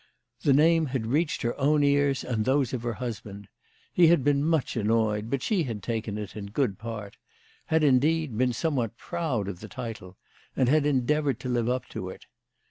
The name had reached her own ears and those of her husband. He had been much annoyed, but she had taken it in good part, had, indeed, been somewhat proud of the title, and had endeavoured to live up to it.